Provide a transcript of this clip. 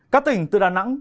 các tỉnh từ đà nẵng